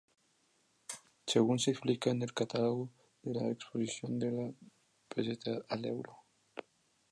Según se explica en el catálogo de la exposición De la peseta al euro.